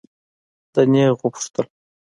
ده نېغ وپوښتل.